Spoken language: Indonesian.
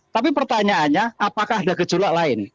tapi pertanyaannya apakah ada gejolak lain